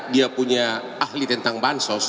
dia punya ahli tentang bansos